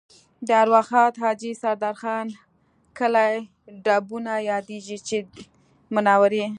د ارواښاد حاجي سردار خان کلی ډبونه یادېږي چې د منورې